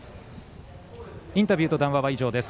インタビューと談話は以上です。